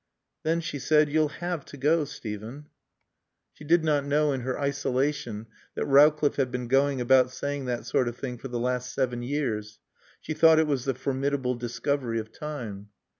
"Then," she said, "you'll have to go, Steven." She did not know, in her isolation, that Rowcliffe had been going about saying that sort of thing for the last seven years. She thought it was the formidable discovery of time.